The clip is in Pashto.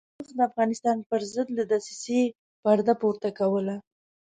نوښت د افغانستان پرضد له دسیسې پرده پورته کوله.